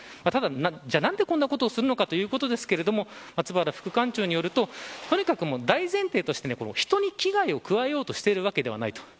じゃあ、何でこんなことをするのかということですが松原副館長によるととにかく、大前提として人に危害を加えようとしているわけではないと。